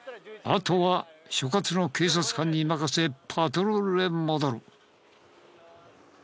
あとは所轄の警察官に任せパトロールへ戻る。